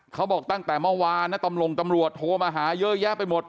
เขาบอกตั้งแต่เมื่อวานนะตำรวจโทรมาหาเยอะแยะไปหมด